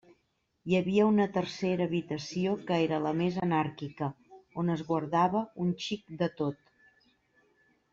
Hi havia una tercera habitació que era la més anàrquica, on es guardava un xic de tot.